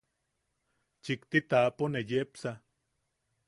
Chikti taʼapo ne yepsa.